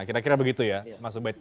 kira kira begitu ya mas ubed